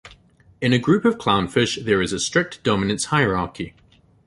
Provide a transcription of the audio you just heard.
In a group of clownfish, there is a strict dominance hierarchy.